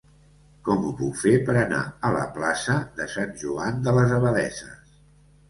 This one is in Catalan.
Com ho puc fer per anar a la plaça de Sant Joan de les Abadesses?